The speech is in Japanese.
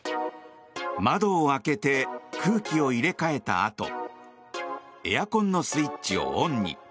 窓を開けて空気を入れ替えたあとエアコンのスイッチをオンに。